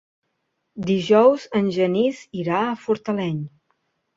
Dijous en Genís irà a Fortaleny.